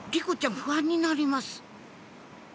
不安になります